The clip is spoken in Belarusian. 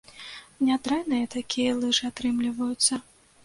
Нядрэнныя такія лыжы атрымліваюцца.